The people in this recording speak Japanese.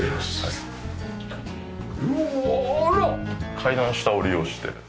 階段下を利用して。